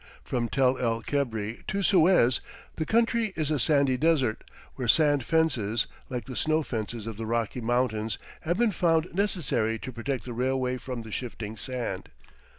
From Tel el Kebre to Suez the country is a sandy desert, where sand fences, like the snow fences of the Rocky Mountains, have been found necessary to protect the railway from the shifting sand.